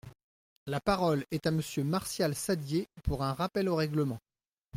La parole est à Monsieur Martial Saddier, pour un rappel au règlement.